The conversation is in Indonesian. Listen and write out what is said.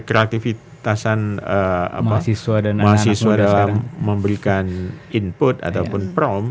kreativitasan mahasiswa dalam memberikan input ataupun from